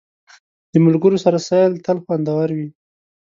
د ملګرو سره سیل تل خوندور وي.